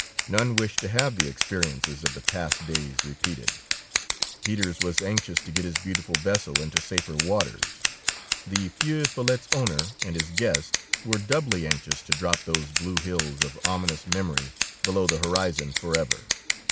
None wished to have the experiences of the past days repeated; Peters was anxious to get his beautiful vessel into safer waters; the Feu Follette's owner and his guest were doubly anxious to drop those blue hills of ominous memory below the horizon forever.